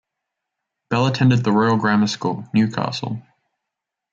Bell attended The Royal Grammar School, Newcastle.